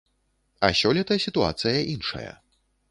А сёлета сітуацыя іншая.